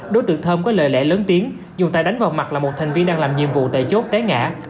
đối tượng thơm có lời lẽ lớn tiếng dùng tay đánh vào mặt là một thành viên đang làm nhiệm vụ tại chốt té ngã